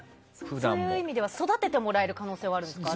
そういう意味だと育ててもらえる可能性はあるかも。